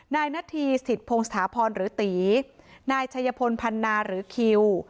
นายนาธีสิตพงศาพรหรือตีนายชัยพลพันนาหรือคิว